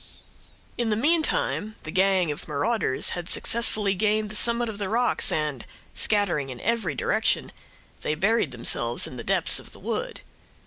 In the meantime, the gang of marauders had successfully gained the summit of the rocks, and, scattering in every direction, they buried themselves in the depths of the wood.